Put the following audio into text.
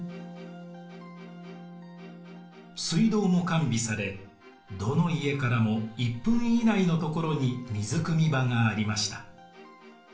水道も完備されどの家からも１分以内のところに水くみ場がありました。